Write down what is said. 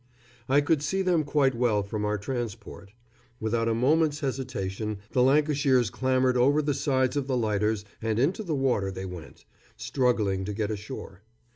I could see them quite well from our transport. Without a moment's hesitation the Lancashires clambered over the sides of the lighters and into the water they went, struggling to get ashore.